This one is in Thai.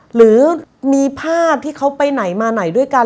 หรือมีภาพที่เขาไปไหนมาไหนด้วยกัน